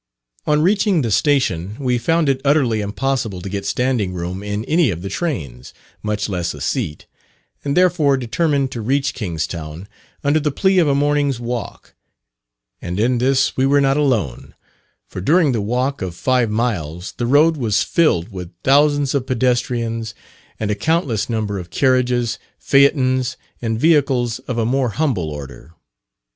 On reaching the station we found it utterly impossible to get standing room in any of the trains, much less a seat, and therefore determined to reach Kingstown under the plea of a morning's walk; and in this we were not alone, for during the walk of five miles the road was filled with thousands of pedestrians and a countless number of carriages, phaetons, and vehicles of a more humble order.